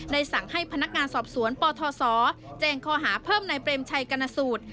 สั่งให้พนักงานสอบสวนปทศแจ้งข้อหาเพิ่มในเปรมชัยกรณสูตร